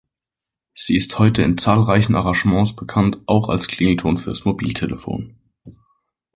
Sie ist heute in zahlreichen Arrangements bekannt, auch als Klingelton fürs Mobiltelefon.